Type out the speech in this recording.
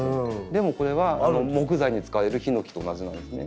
でもこれは木材に使われるヒノキと同じなんですね。